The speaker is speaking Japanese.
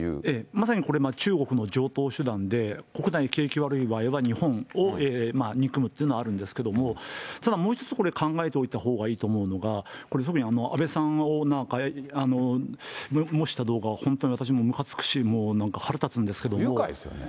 まさにこれ、中国の常とう手段で、国内の景気悪い場合は、日本を憎むというのはあるんですけれども、ただ、もう一つ、これ、考えておいたほうがいいと思うのが、とても安倍さんを模した動画は本当に私もむかつくし、もう、なん不愉快ですよね。